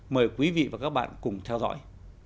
mời quý vị và các bạn cùng theo dõi